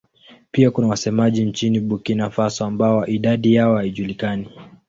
Pia kuna wasemaji nchini Burkina Faso ambao idadi yao haijulikani.